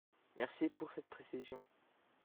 Merci pour cette précision.